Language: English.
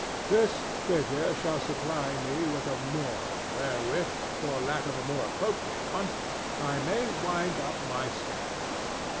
This figure shall supply me with a moral wherewith, for lack of a more appropriate one, I may wind up my sketch.